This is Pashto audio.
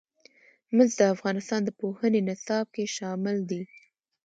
مس د افغانستان د پوهنې نصاب کې شامل دي.